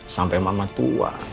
sampai mama tua